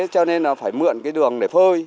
cho nên phải mượn đường để phơi